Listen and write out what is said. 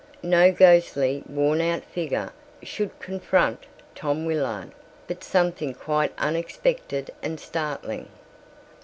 No ghostly worn out figure should confront Tom Willard, but something quite unexpected and startling.